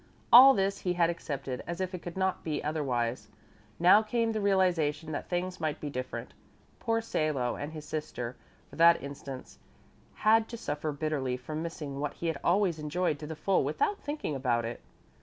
All this he had accepted as if it could not be otherwise. Now came the realization that things might be different. Poor Salo and his sister, for instance, had to suffer bitterly from missing what he had always enjoyed to the full without thinking about it.